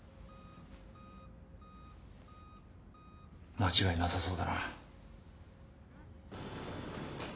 間違いなさそうだな。